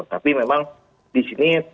tapi memang disini